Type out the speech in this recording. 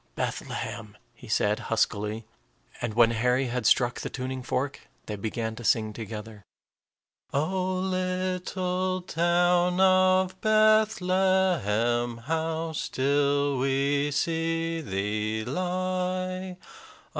"Bethlehem," he said, huskily. And when Harry had struck the tuning fork, they began to sing together, "O little town of Bethlehem, How still we see thee lie!